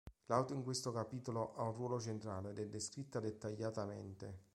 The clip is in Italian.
L'auto in questo capitolo ha un ruolo centrale, ed è descritta dettagliatamente.